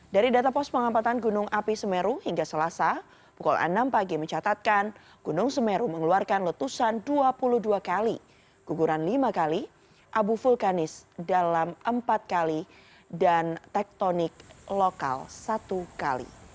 dari data pos pengamatan gunung api semeru hingga selasa pukul enam pagi mencatatkan gunung semeru mengeluarkan letusan dua puluh dua kali guguran lima kali abu vulkanis dalam empat kali dan tektonik lokal satu kali